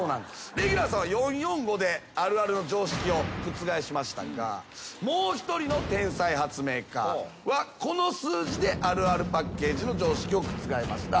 レギュラーさんは４・４・５であるあるの常識を覆しましたがもう１人の天才発明家はこの数字であるあるパッケージの常識を覆しました。